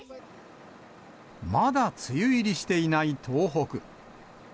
まだ梅雨入りしていない東北。